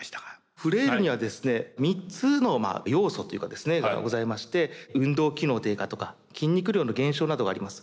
フレイルにはですね３つの要素というかですねがございまして運動機能低下とか筋肉量の減少などがあります。